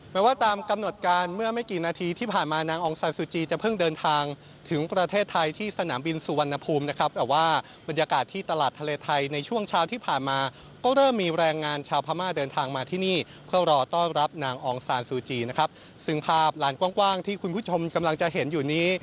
ว่าตามกำหนดการเมื่อไม่กี่นาทีที่ผ่านมานางองซานซูจีจะเพิ่งเดินทางถึงประเทศไทยที่สนามบินสุวรรณภูมินะครับแต่ว่าบรรยากาศที่ตลาดทะเลไทยในช่วงเช้าที่ผ่านมาก็เริ่มมีแรงงานชาวพม่าเดินทางมาที่นี่เพื่อรอต้อนรับนางอองซานซูจีนะครับซึ่งภาพลานกว้างที่คุณผู้ชมกำลังจะเห็นอยู่นี้